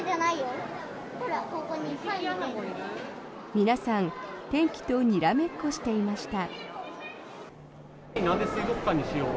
皆さん、天気とにらめっこしていました。